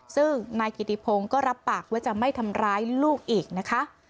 ซึ่งนายกิติพงศ์ก็รับปากว่าจะไม่ทำร้ายลูกอีกนะคะ